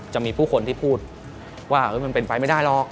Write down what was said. จะมีผู้คนที่พูดว่ามันเป็นไปไม่ได้หรอก